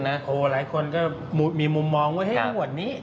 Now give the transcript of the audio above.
หลายคนมีมุมมองว่าอย่างไรของส่วนนี้